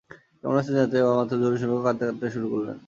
কেমন আছেন, জানতে চাওয়া মাত্র জোরে শব্দ করে কাঁদতে শুরু করলেন।